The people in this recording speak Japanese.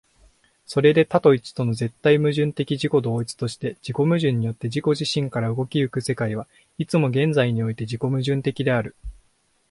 それで多と一との絶対矛盾的自己同一として、自己矛盾によって自己自身から動き行く世界は、いつも現在において自己矛盾的である。